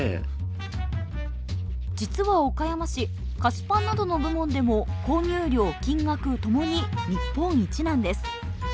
実は岡山市菓子パンなどの部門でも購入量・金額ともに日本一なんです